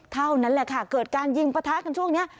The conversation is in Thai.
เท่านั้นแหละค่ะเกิดการยิงปะทะกันช่วงนี้